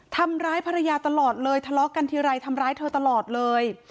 ทำร้ายภรรยาตลอดเลยทะเลาะกันทีไรทำร้ายเธอตลอดเลย